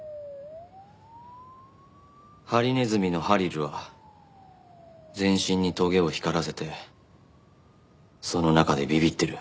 ハリネズミのハリルは全身にトゲを光らせてその中でビビってる。